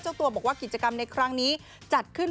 เจ้าตัวบอกว่ากิจกรรมในครั้งนี้จัดขึ้น